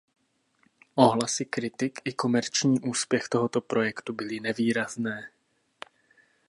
Ohlasy kritik i komerční úspěch tohoto projektu byly nevýrazné.